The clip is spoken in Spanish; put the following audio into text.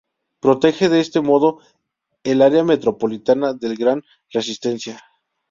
Protege de este modo el área metropolitana del Gran Resistencia.